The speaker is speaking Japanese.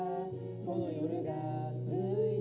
・「この夜が続いて」